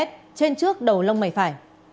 trên trước đầu lông mầy phải